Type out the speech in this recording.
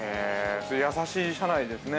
◆優しい社内ですね。